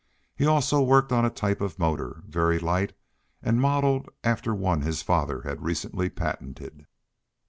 He also worked on a type of motor, very light, and modeled after one his father had recently patented.